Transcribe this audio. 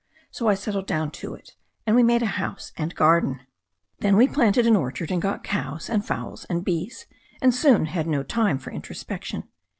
So I settled down to it, and we made a house and garden. Then we planted an orchard, and got cows and fowls and bees, and soon had no time for intro spection.